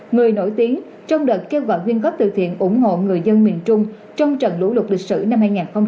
người nổi tiếng trong đợt kêu gọi nguyên góp từ thiện ủng hộ người dân miền trung trong trận lũ lục lịch sử năm hai nghìn hai mươi